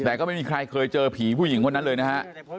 แต่ก็ไม่มีใครเคยเจอผีผู้หญิงคนนั้นเลยนะฮะ